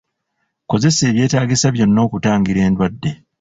Kozesa ebyetaagisa byonna okutangira endwadde.